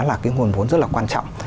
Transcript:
là cái nguồn vốn rất là quan trọng